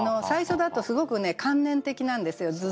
最初だとすごく観念的なんですよ。